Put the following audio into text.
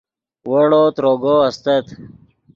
ویڑو تروگو استت